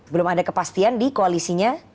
belum ada kepastian di koalisinya